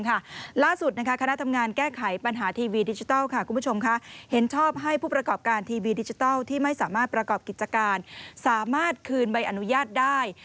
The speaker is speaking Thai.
ล่าสุดคณะทำงานแก้ไขปัญหาทีวีดิจิทัลคุณผู้ชมเห็นชอบให้ผู้ประกอบการทีวีดิจิทัลที่ไม่สามารถประกอบกิจการสามารถคืนใบอนุญาตได้